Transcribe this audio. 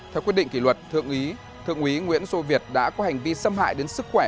theo quyết định kỷ luật thượng úy nguyễn sô việt đã có hành vi xâm hại đến sức khỏe